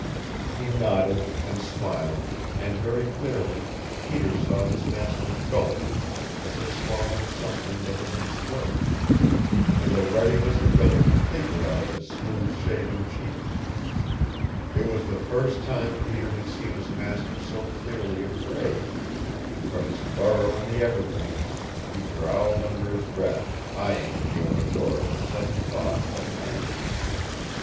He nodded, and smiled, and very clearly Peter saw his master gulp, as if swallowing something that was in his throat. And the ruddiness had gone completely out of his smooth shaven cheeks. It was the first time Peter had seen his master so clearly afraid, and from his burrow in the evergreens he growled under his breath, eyeing the open door with sudden thought of an enemy.